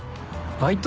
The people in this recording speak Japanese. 「バイト？」